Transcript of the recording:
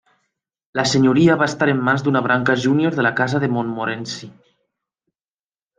La senyoria va estar en mans d'una branca júnior de la casa de Montmorency.